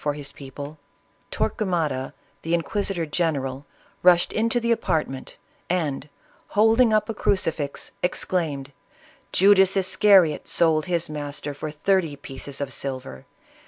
121 for his people, Torquemada, the inquisitor general, rush ed into the apartment, and holding up a crucifix, ex claimed, "Judas Iscariot sold his master for thirty pieces of silver.